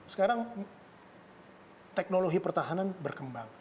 sekarang teknologi pertahanan berkembang